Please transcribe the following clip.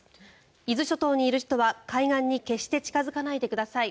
伊豆諸島にいる人は海岸に決して近付かないでください。